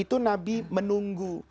itu nabi menunggu